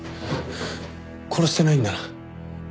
殺してないんだな？